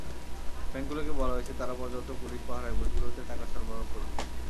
ব্যাংকগুলোকে বলা হয়েছে, তারা পর্যাপ্ত পুলিশ পাহারায় বুথগুলোতে টাকা সরববরাহ করবে।